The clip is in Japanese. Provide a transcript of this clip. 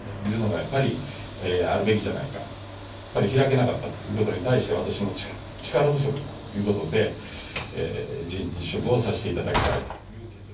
やっぱり開けなかったということに対して、私の力不足ということで、辞職をさせていただきたいと。